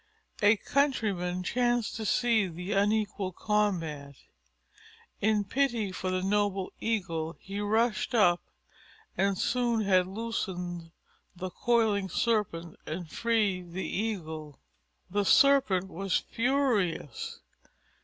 A Countryman chanced to see the unequal combat. In pity for the noble Eagle he rushed up and soon had loosened the coiling Serpent and freed the Eagle. The Serpent was furious.